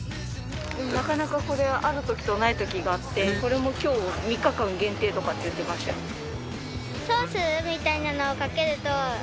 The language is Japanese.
なかなかこれはある時とない時があってこれも今日３日間限定とかって言ってましたよ。